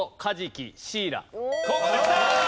ここできた！